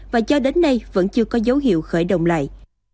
và cho đến nay vẫn chưa có dấu hiệu khởi động lại